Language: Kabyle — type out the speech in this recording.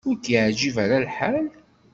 Ur k-yeɛjib ara lḥal.